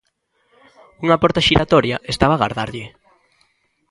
Unha porta xiratoria estaba a agardarlle.